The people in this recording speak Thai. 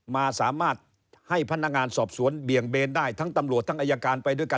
มาสามารถให้พนักงานสอบสวนเบี่ยงเบนได้ทั้งตำรวจทั้งอายการไปด้วยกัน